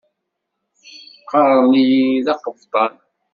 Ɣɣaren-iyi-d aqebṭan.